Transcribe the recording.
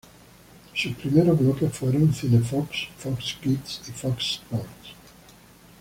Sus primeros bloques fueron Cine Fox, Fox Kids y Fox Sports.